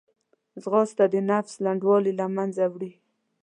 ځغاسته د نفس لنډوالی له منځه وړي